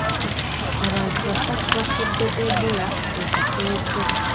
Abantu basatu bafudde Ebola e Kasese.